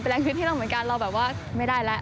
แรงฮิตให้เราเหมือนกันเราแบบว่าไม่ได้แล้ว